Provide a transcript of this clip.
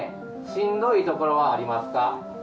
しんどいところはありますか？